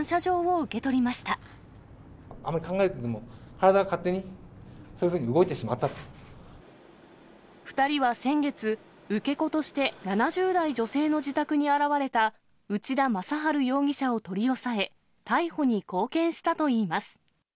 あまり考えずに、体が勝手に、２人は先月、受け子として７０代女性の自宅に現れた内田雅晴容疑者を取り押さえ、逮捕に貢献したといいます。